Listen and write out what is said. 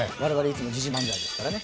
いつも時事漫才ですからね